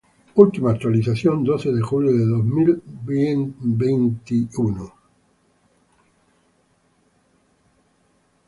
Última actualización: doce de julio de dos mil viente y uno